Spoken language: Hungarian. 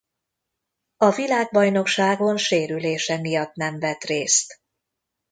A világbajnokságon sérülése miatt nem vett részt.